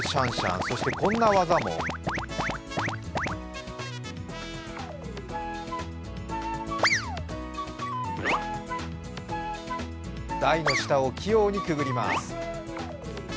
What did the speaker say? そしてこんな技も台の下を器用にくぐります。